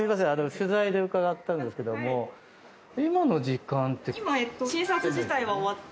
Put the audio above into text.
取材で伺ったんですけれども今の時間って？